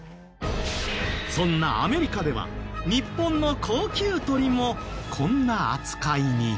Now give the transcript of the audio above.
そんなアメリカでは日本の高給取りもこんな扱いに。